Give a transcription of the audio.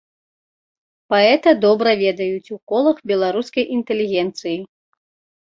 Паэта добра ведаюць у колах беларускай інтэлігенцыі.